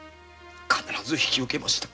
必ず引き受けました。